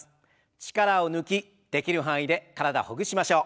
力を抜きできる範囲で体ほぐしましょう。